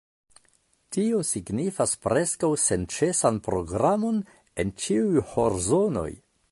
Tio signifas preskaŭ senĉesan programon en ĉiuj horzonoj.